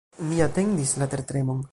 Mi atendis la tertremon.